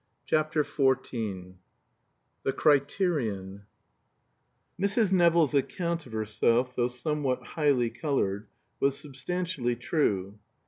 CHAPTER XIV THE "CRITERION" Mrs. Nevill's account of herself, though somewhat highly colored, was substantially true.